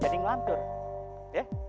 jadi ngelantur ya